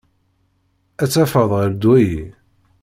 Ad tafeḍ ɣer ddwa-yi.